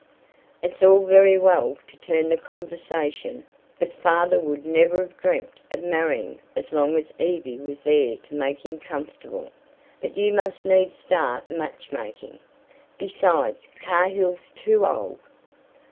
"It's all very well to turn the conversation, but Father would never have dreamt of marrying as long as Evie was there to make him comfortable. But you must needs start match making. Besides, Cahill's too old."